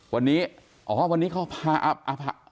วันนี้เขาพาอาผัก